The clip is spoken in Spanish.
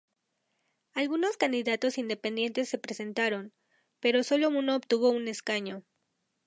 Algunos candidatos independientes se presentaron, pero solo uno obtuvo un escaño.